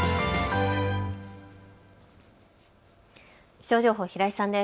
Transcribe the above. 気象情報、平井さんです。